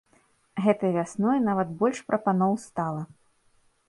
Гэтай вясной нават больш прапаноў стала.